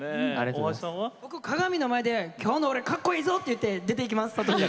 鏡の前で今日の俺、かっこいいぞ！って言って出ていきます。